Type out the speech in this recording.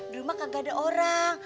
di rumah kagak ada orang